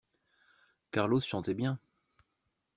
Carlos chantait bien.